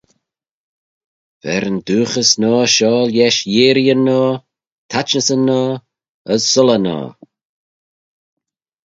Ver yn dooghys noa shoh lesh yeearreeyn noa, taitnyssyn noa, as soylley noa.